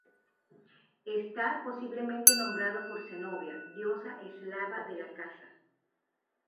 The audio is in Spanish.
Está posiblemente nombrado por Zenobia, diosa eslava de la caza.